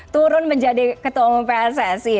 turun menjadi ketua umum pssi